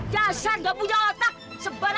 ya saya gak punya otak sebarang aja lara